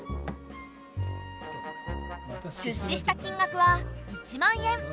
出資した金額は１万円。